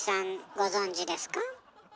ご存じですか？